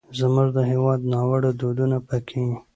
زموږ د هېواد ناوړه دودونه پکې